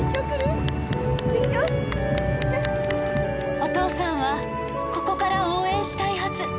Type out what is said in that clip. お父さんはここから応援したいはず